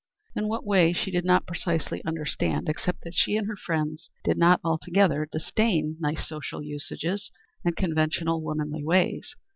In what way she did not precisely understand, except that she and her friends did not altogether disdain nice social usages and conventional womanly ways.